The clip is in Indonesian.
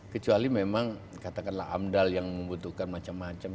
kecuali memang katakanlah amdal yang membutuhkan macam macam